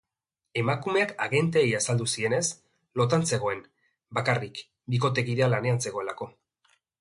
Emakumeak agenteei azaldu zienez, lotan zegoen, bakarrik, bikotekidea lanean zegoelako.